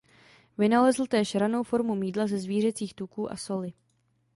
Vynalezl též ranou formu mýdla ze zvířecích tuků a soli.